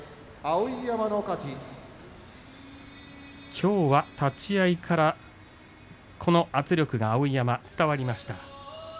きょうは立ち合いから碧山の圧力が伝わりました。